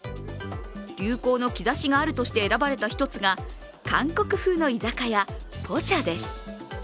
流行の兆しがあるとして選ばれた１つが韓国風の居酒屋・ポチャです。